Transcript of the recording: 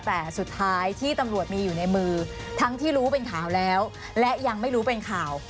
แต่สุดท้ายที่ตำรวจมีอยู่ในมือทั้งที่รู้เป็นข่าวแล้วและยังไม่รู้เป็นข่าว